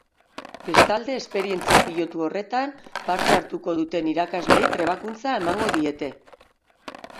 Bestalde, esperientzia pilotu horretan parte hartuko duten irakasleei trebakuntza emango diete.